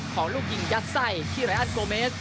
ของลูกยิงยัดไส้ที่ไรอันโกเมส